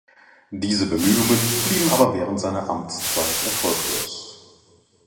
Diese Bemühungen blieben aber während seiner Amtszeit erfolglos.